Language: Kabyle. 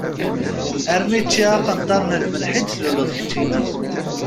Armi ččiɣ aqenṭar n lmelḥ i d-tluleḍ keččini.